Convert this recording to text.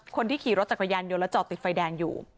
คนที่ขี่รถจักรยานยนต์แล้วจอดติดไฟแดงอยู่